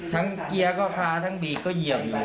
ทั้งเกียร์ก็ค้าทั้งบีกก็เหยียบอยู่